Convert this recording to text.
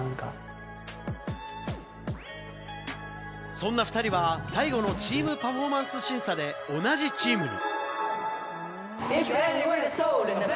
そんな２人は最後のチーム・パフォーマンス審査で同じチームに。